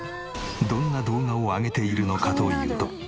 どんな動画を上げているのかというと。